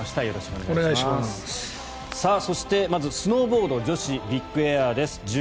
そして、まずスノーボード女子ビッグエアです。